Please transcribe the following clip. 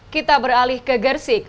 kita beralih ke gersik